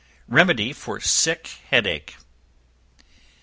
Remedy for Sick Head ache.